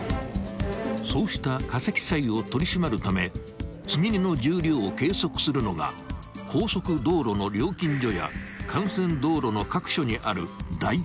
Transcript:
［そうした過積載を取り締まるため積み荷の重量を計測するのが高速道路の料金所や幹線道路の各所にある］